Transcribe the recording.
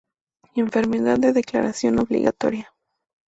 Enfermedad de declaración obligatoria.